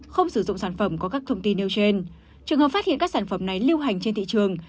không sử dụng sản phẩm có các thông tin nêu trên trường hợp phát hiện các sản phẩm này lưu hành trên thị trường